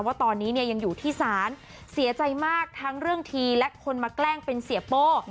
ว่าตอนนี้เนี่ยยังอยู่ที่ศาลเสียใจมากทั้งเรื่องทีและคนมาแกล้งเป็นเสียโป้